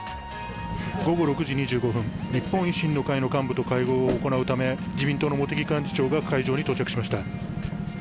午後６時２５分、日本維新の会の代表と会合を行うため自民党の茂木幹事長が会場に到着しました。